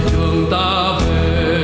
đường ta về